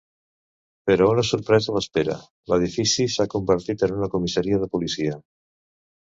Però una sorpresa l'espera: l'edifici s'ha convertit en una comissaria de policia.